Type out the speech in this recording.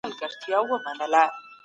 اقتصادي تعاون د ټولني ستونزي هواروي.